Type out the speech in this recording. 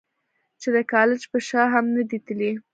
چې د کالج پۀ شا هم نۀ دي تلي -